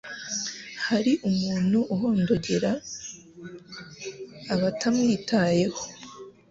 hari umuntu uhondogera abatamwitayeho.